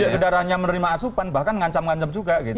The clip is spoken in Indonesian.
dia hanya menerima asupan bahkan ngancam ngancam juga